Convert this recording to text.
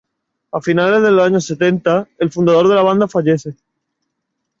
A finales de los años setenta, el fundador de la banda fallece.